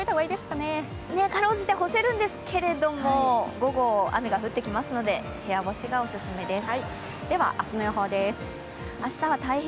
かろうじて干せるんですけれども、午後、雨が降ってきますので、部屋干しがお勧めです。